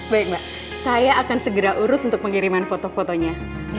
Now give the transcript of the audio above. baik mbak saya akan segera urus untuk pengiriman foto fotonya